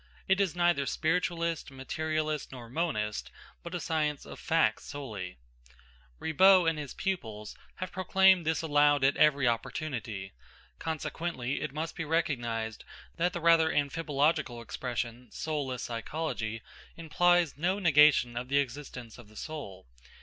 It is neither spiritualist, materialist, nor monist, but a science of facts solely. Ribot and his pupils have proclaimed this aloud at every opportunity. Consequently it must be recognised that the rather amphibological expression "soulless psychology" implies no negation of the existence of the soul.